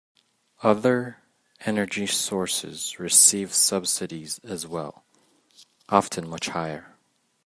Other energy sources receive subsidies as well, often much higher.